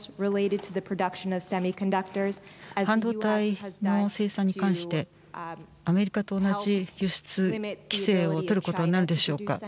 半導体の生産に関してアメリカと同じ輸出規制を取ることになるでしょうか。